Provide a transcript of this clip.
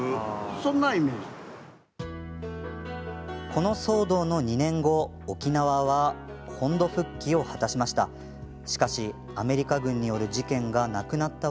この騒動の２年後沖縄は本土復帰を果たしました。